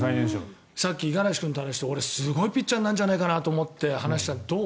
さっき五十嵐君と話してすごいピッチャーになるんじゃないかなと話したんだけどどう？